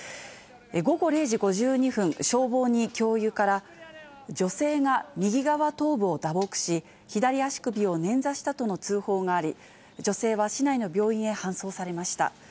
午後０時５２分、消防に教諭から女性が右側頭部を打撲し、左足首を捻挫したとの通報があり、女性は市内の病院へ搬送されました。